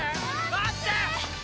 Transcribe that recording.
待ってー！